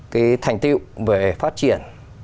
cái thành tựu về phát triển